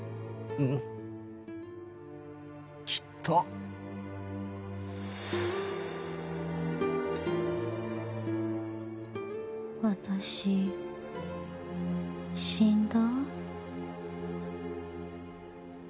うんきっと私死んだ？